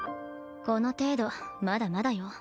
この程度まだまだよ。